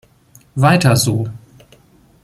Weiter so.